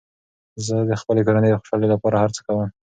زه د خپلې کورنۍ د خوشحالۍ لپاره هر څه کوم.